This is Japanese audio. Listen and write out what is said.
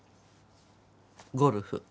ゴルフ。